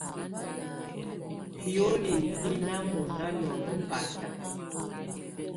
Hioli hɛ́ ná mɔ̀ná lɔ́lɔ̀ báta.